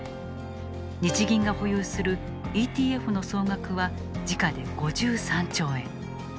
日銀が保有するＥＴＦの総額は時価で５３兆円。